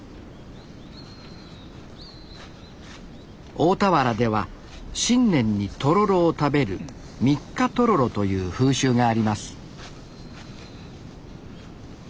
大田原では新年にとろろを食べる三日とろろという風習があります